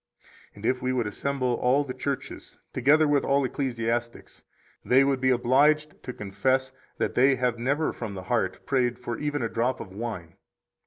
And if we would assemble all the churches, together with all ecclesiastics, they would be obliged to confess that they have never from the heart prayed for even a drop of wine.